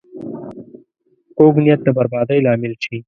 کوږ نیت د بربادۍ لامل شي